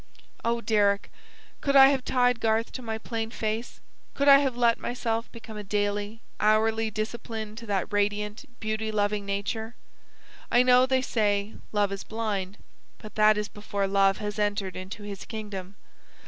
Oh, Deryck! Could I have tied Garth to my plain face? Could I have let myself become a daily, hourly discipline to that radiant, beauty loving nature? I know they say, 'Love is blind.' But that is before Love has entered into his kingdom.